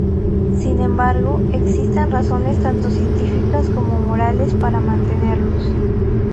Sin embargo, existen razones tanto científicas como morales para mantenerlos.